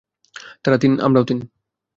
তারা তিন আমরাও তিন!